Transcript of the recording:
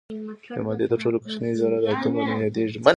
د مادې تر ټولو کوچنۍ ذره د اتوم په نوم یادیږي.